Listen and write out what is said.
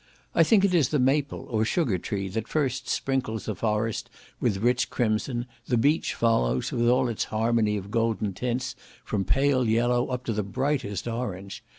I think it is the maple, or sugar tree, that first sprinkles the forest with rich crimson; the beech follows, with all its harmony of golden tints, from pale yellow up to brightest orange.